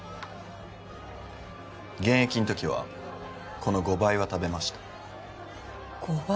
現役の時はこの５倍は食べました５倍？